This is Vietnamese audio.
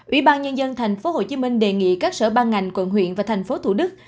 ủy ban nhân dân thành phố hồ chí minh đề nghị các sở ban ngành quận huyện và thành phố thủ đức